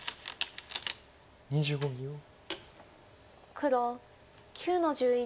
黒９の十一。